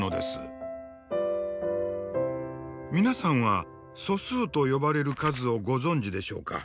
皆さんは素数と呼ばれる数をご存じでしょうか。